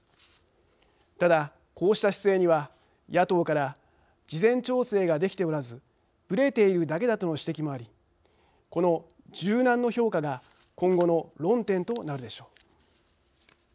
ただこうした姿勢には野党から事前調整ができておらずぶれているだけだとの指摘もありこの柔軟の評価が今後の論点となるでしょう。